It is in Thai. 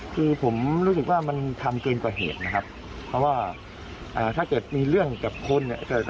คือผมรู้สึกว่ามันทำเกินกว่าเหตุนะครับเพราะว่าถ้าเกิดมีเรื่องกับคนเนี่ย